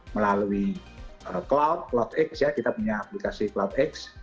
melalui cloud cloudx ya kita punya aplikasi cloudx